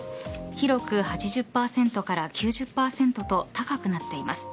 広く８０％から９０％と高くなっています。